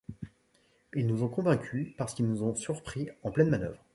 Ils nous ont vaincu parce qu'ils nous ont surpris en pleine manœuvre.